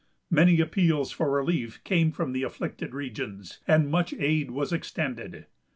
Many appeals for relief came from the afflicted regions, and much aid was extended.